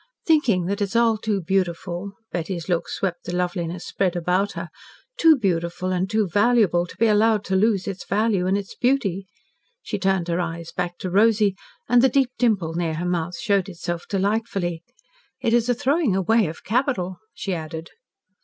"Thinking that it is all too beautiful " Betty's look swept the loveliness spread about her, "too beautiful and too valuable to be allowed to lose its value and its beauty." She turned her eyes back to Rosy and the deep dimple near her mouth showed itself delightfully. "It is a throwing away of capital," she added.